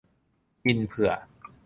กินเผื่อ